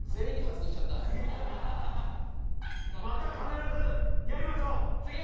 また必ずやりましょう。